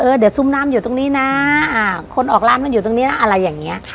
เดี๋ยวซุ่มน้ำอยู่ตรงนี้นะคนออกร้านมันอยู่ตรงนี้นะอะไรอย่างนี้